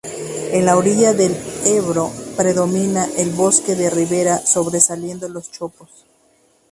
En la orilla del Ebro, predomina el bosque de ribera sobresaliendo los chopos.